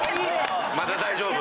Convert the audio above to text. まだ大丈夫。